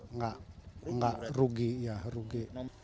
enggak enggak rugi